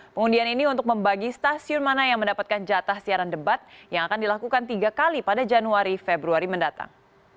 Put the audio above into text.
pengundian ini untuk membagi stasiun mana yang mendapatkan jatah siaran debat yang akan dilakukan tiga kali pada januari februari mendatang